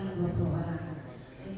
itu yang kami obrolkan kembali buat dua orang